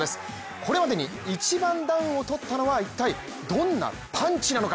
これまでに一番ダウンを取ったのは一体どんなパンチなのか。